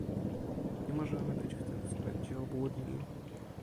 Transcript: Nie możemy być w tym względzie obłudni!